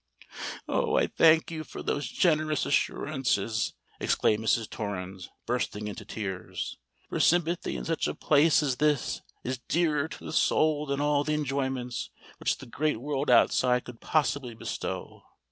"Oh! I thank you for those generous assurances," exclaimed Mrs. Torrens, bursting into tears; "for sympathy in such a place as this is dearer to the soul than all the enjoyments which the great world outside could possibly bestow!